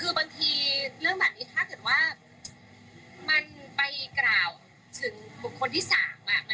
คือบางทีเรื่องแบบนี้ถ้าเกิดว่ามันไปกล่าวถึงบุคคลที่๓